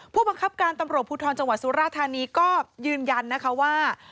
ผู้บังคับการตำรวจภูทรจังหวัดสุราธานีก็ยืนยันนะคะว่า